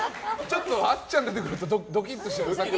あっちゃんが出てくるとドキッとしちゃう。